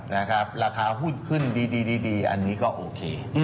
ราคาหุ้นขึ้นดีอันนี้ก็โอเค